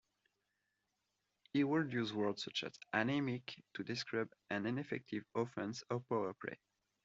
He would use words such as "anemic" to describe an ineffective offence or powerplay.